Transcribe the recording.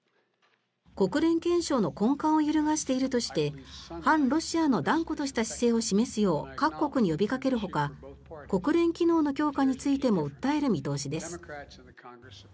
国連憲章の根幹を揺るがしているとして反ロシアの断固とした姿勢を示すよう各国に呼びかけるほか国連機能の強化についても訴える見通しです。